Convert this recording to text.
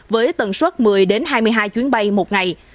với tần suất một mươi hai mươi hai chuyến bay một ngày